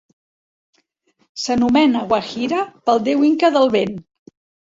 S'anomena Huayra pel déu inca del vent.